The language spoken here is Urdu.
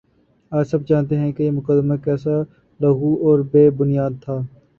آج سب جانتے ہیں کہ یہ مقدمہ کیسا لغو اور بے بنیادتھا